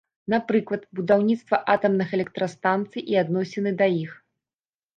Напрыклад, будаўніцтва атамных электрастанцыі і адносіны да іх.